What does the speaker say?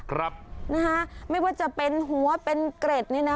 ครับนะฮะไม่ว่าจะเป็นหัวเป็นเกร็ดนี่นะ